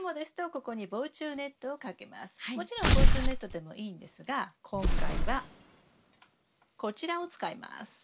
もちろん防虫ネットでもいいんですが今回はこちらを使います。